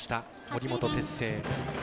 森本哲星。